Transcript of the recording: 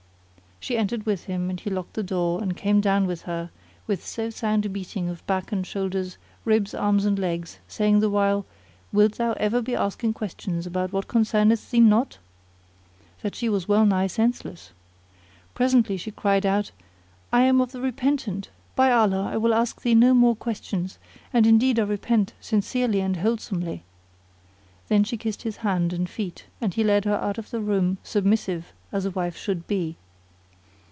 She entered with him and he locked the door and came down upon her with so sound a beating of back and shoulders, ribs, arms and legs, saying the while, "Wilt thou ever be asking questions about what concerneth thee not?" that she was well nigh senseless. Presently she cried out, "I am of the repentant! By Allah, I will ask thee no more questions, and indeed I repent sincerely and wholesomely." Then she kissed his hand and feet and he led her out of the room submissive as a wife should be.